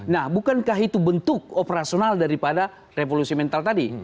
nah bukankah itu bentuk operasional daripada revolusi mental tadi